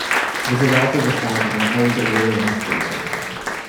This is also the site of an old whaling station.